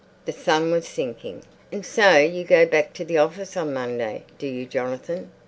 The sun was sinking. "And so you go back to the office on Monday, do you, Jonathan?"